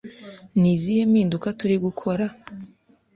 ni izihe mpinduka turi gukora